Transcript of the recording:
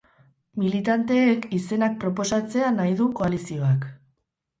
Militanteek izenak proposatzea nahi du koalizioak.